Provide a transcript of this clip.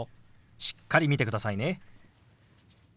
しっかり見てくださいね。